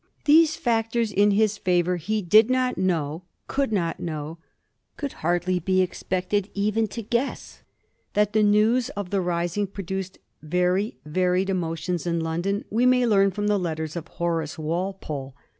These factors in his favor he did not know, could not know, could hardly be expected even to guess. That the news of the rising produced very varied emo tions in London we may learn from the letters of Horace Walpole.